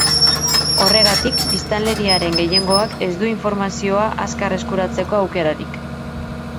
Horregatik, biztanleriaren gehiengoak ez du informazioa azkar eskuratzeko aukerarik.